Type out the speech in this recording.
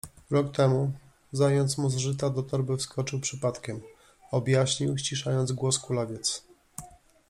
Rok temu zając mu z żyta do torby wskoczył przypadkiem — objaśnił, ściszając głos, kulawiec.